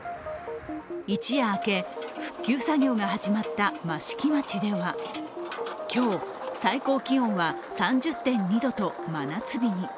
一夜明け、復旧作業が始まった益城町では今日、最高気温は３０．２度と真夏日に。